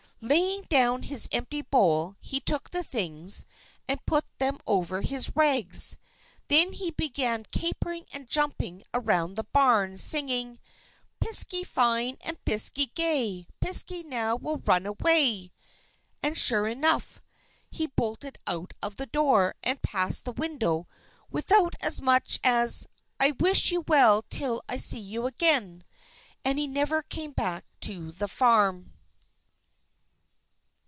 Laying down his empty bowl, he took the things, and put them on over his rags. Then he began capering and jumping around the barn, singing: "Piskey fine! and Piskey gay! Piskey now will run away!" And sure enough, he bolted out of the door, and passed the widow, without so much as "I wish you well till I see you again!" And he never came back to the farm.